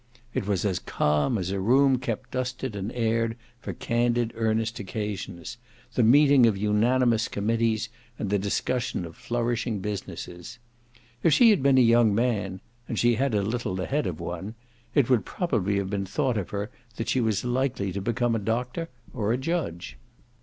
It was as calm as a room kept dusted and aired for candid earnest occasions, the meeting of unanimous committees and the discussion of flourishing businesses. If she had been a young man and she had a little the head of one it would probably have been thought of her that she was likely to become a Doctor or a Judge.